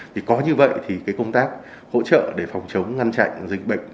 thì có như vậy thì cái công tác hỗ trợ để phòng chống ngăn chặn dịch bệnh